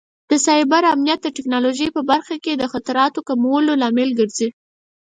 د سایبر امنیت د ټکنالوژۍ په برخه کې د خطراتو کمولو لامل ګرځي.